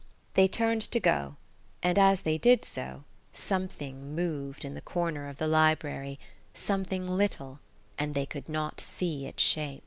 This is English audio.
They turned to go, and as they did so something moved in the corner of the library–something little, and they could not see its shape.